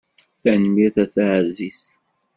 Tanemmirt a taɛzizt.